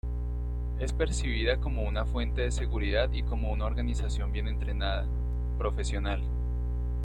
Es percibida como una fuente de seguridad y como una organización bien entrenada, profesional.